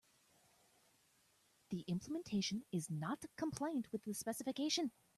The implementation is not compliant with the specification.